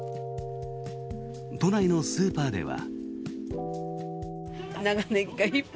都内のスーパーでは。